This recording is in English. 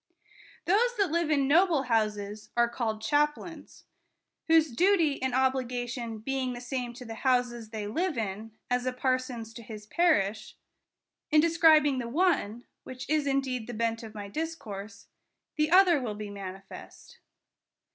Those that live in noble houses are called chaplains ; whose duty and obligation being the same to the houses they live in, as a parson's to his parish, in describing the one (wiiich is indeed the bent of my discourse), the THE COUNTRY PARSON. 9 other will be manifest.